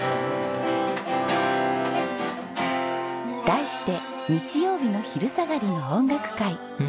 題して「日曜日の昼下がりの音楽会」。